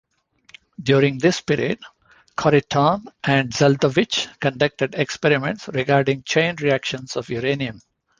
During this period, Khariton and Zel'dovich conducted experiments regarding chain reactions of uranium.